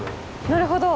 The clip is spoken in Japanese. なるほど。